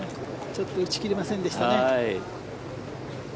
ちょっと打ち切れませんでしたね。